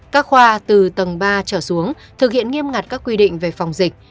các khoa từ tầng ba trở xuống thực hiện nghiêm ngặt các quy định về phòng dịch